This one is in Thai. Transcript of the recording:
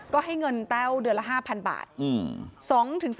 ก็ให้เงินแต้วเดือนละ๕๐๐บาท